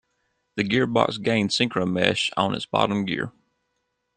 The gearbox gained synchromesh on its bottom gear.